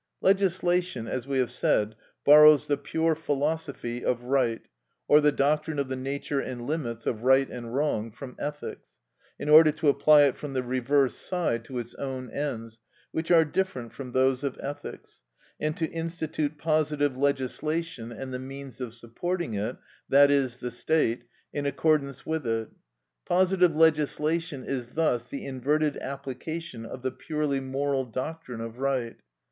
Legislation, as we have said, borrows the pure philosophy of right, or the doctrine of the nature and limits of right and wrong, from ethics, in order to apply it from the reverse side to its own ends, which are different from those of ethics, and to institute positive legislation and the means of supporting it, i.e., the state, in accordance with it. Positive legislation is thus the inverted application of the purely moral doctrine of right.